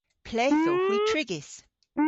Ple'th owgh hwi trigys?